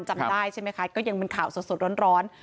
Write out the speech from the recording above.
จำได้ใช่ไหมคะก็ยังเป็นข่าวสดร้อน